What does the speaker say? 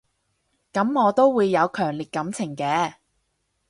噉我都會有強烈感情嘅